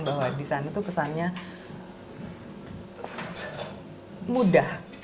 bahwa di sana tuh kesannya mudah